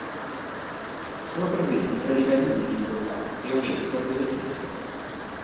Sono presenti tre livelli di difficoltà e un editor delle piste.